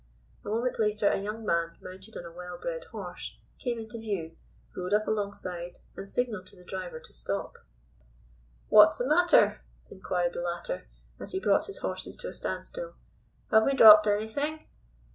A moment later a young man, mounted on a well bred horse, came into view, rode up alongside, and signalled to the driver to stop. "What's the matter?" inquired the latter, as he brought his horses to a standstill. "Have we dropped anything?"